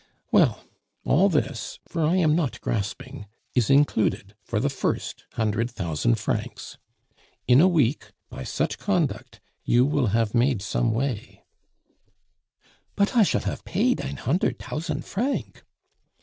Well, all this, for I am not grasping, is included for the first hundred thousand francs. In a week, by such conduct, you will have made some way " "But I shall hafe paid ein hundert tousant franc."